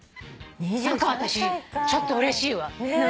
私ちょっとうれしいわ。